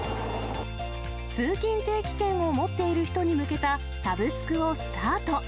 通勤定期券を持っている人に向けたサブスクをスタート。